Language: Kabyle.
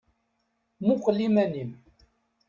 Muqqel iman-im.